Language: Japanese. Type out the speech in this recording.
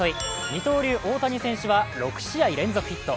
二刀流・大谷選手は６試合連続ヒット。